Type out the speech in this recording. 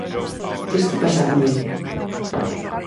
¿Que está pasando aí?